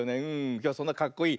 きょうはそんなかっこいい